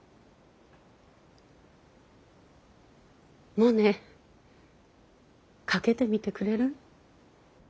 モネかけてみてくれる？